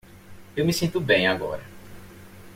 Eu me sinto bem agora.